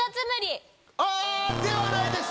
あぁではないです。